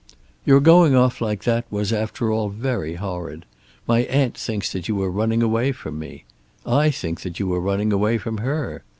Your going off like that was, after all, very horrid. My aunt thinks that you were running away from me. I think that you were running away from her.